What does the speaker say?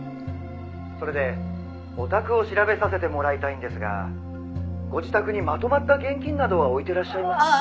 「それでお宅を調べさせてもらいたいんですがご自宅にまとまった現金などは置いてらっしゃいますか？」